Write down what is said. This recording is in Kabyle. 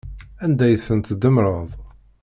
Anda ay ten-tdemmreḍ?